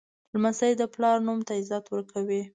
لمسی د پلار نوم ته عزت ورکوي.